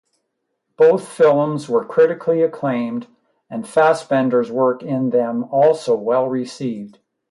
Both films were critically acclaimed and Fassbender's work in them also well received.